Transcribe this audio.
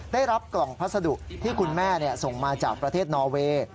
ได้รับกล่องพัสดุที่คุณแม่ส่งมาจากประเทศนอเวย์